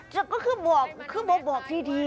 แต่ก็คือบอกคือบอกดี